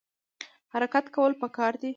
حرکت کول پکار دي